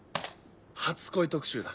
初恋特集だ。